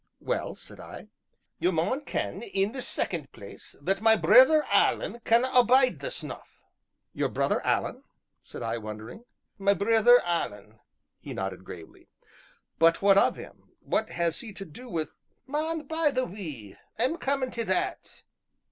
"Well?" said I. "Ye maun ken, in the second place, that ma brither Alan canna' abide the snuff." "Your brother Alan!" said I wondering. "Ma brither Alan," he nodded gravely. "But what of him, what has he to do with " "Man, bide a wee. I'm comin' tae that."